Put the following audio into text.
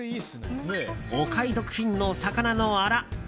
お買い得品の魚のアラ。